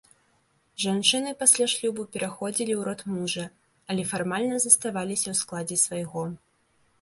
Жанчыны пасля шлюбу пераходзілі ў род мужа, але фармальна заставаліся ў складзе свайго.